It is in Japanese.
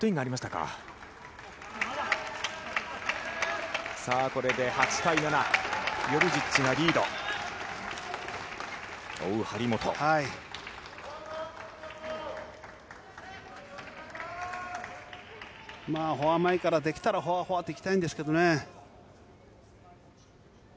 まあ、フォア前からできたら、フォアフォアといきたいんですけどね。